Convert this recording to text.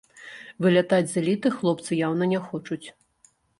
Вылятаць з эліты хлопцы яўна не хочуць.